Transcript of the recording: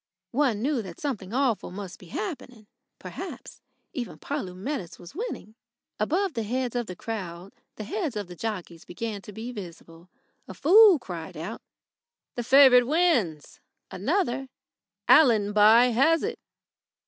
One knew that something awful must be happening. Perhaps even Polumetis was winning. Above the heads of the crowd the heads of jockeys began to be visible. A fool cried out: "The favourite wins." Another: "Allenby has it."